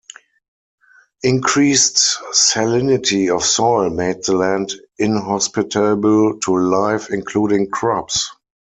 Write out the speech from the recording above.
Increased salinity of soil made the land inhospitable to life, including crops.